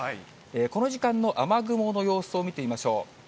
この時間の雨雲の様子を見てみましょう。